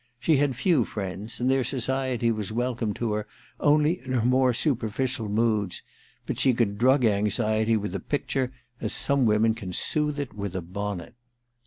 She j had few friends, and their society was welcome ' to her only in her more superficial moods ; but she could drug anxiety with a picture as some women can soothe it with a bonnet.